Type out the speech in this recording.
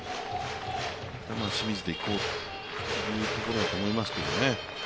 ここは清水でいこうということだと思いますけどね。